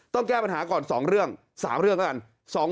ต้องแก้ปัญหาก่อน๒เรื่อง๓เรื่องก่อน